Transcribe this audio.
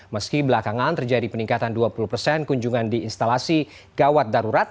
meski belakangan terjadi peningkatan dua puluh persen kunjungan di instalasi gawat darurat